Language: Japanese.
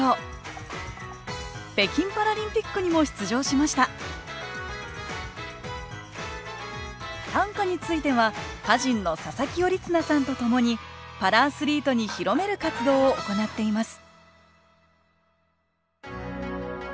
北京パラリンピックにも出場しました短歌については歌人の佐佐木頼綱さんとともにパラアスリートに広める活動を行っています